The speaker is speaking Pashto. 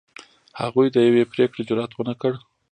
هغوی د یوې پرېکړې جرئت ونه کړ.